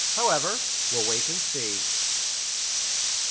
However, we'll wait and see."